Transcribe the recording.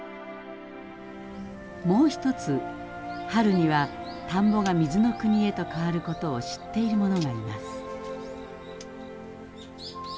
もう一つ春には田んぼが水の国へと変わることを知っているものがいます。